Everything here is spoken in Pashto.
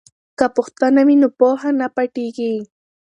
که پوښتنه وي نو پوهه نه پټیږي.